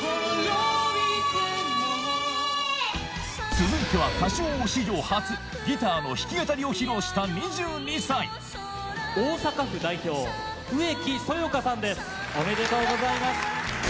続いては『歌唱王』史上初ギターの弾き語りを披露した２２歳おめでとうございます。